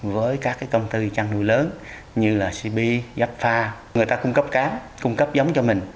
với các công ty chăn nuôi lớn như là cp gapfa người ta cung cấp cá cung cấp giống cho mình